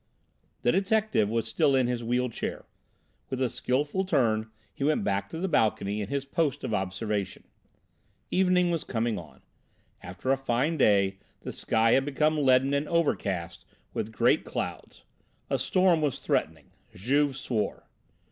The detective was still in his wheel chair; with a skilful turn he went back to the balcony and his post of observation. Evening was coming on. After a fine day the sky had become leaden and overcast with great clouds: a storm was threatening. Juve swore.